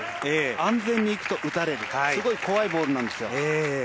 安全にいくと打たれるすごい怖いボールなんですよ。